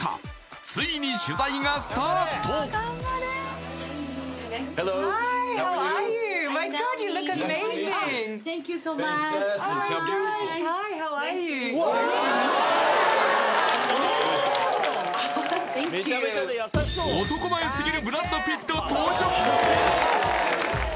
ついに取材がスタート男前すぎる